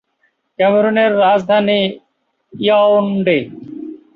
ক্যামেরুনের রাজধানী ইয়াওনডে।